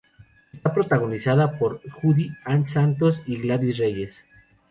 Está protagonizada por Judy Ann Santos y Gladys Reyes.